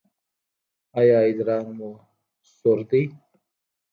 ایا ادرار مو سور دی؟